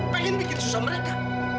pengen bikin susah mereka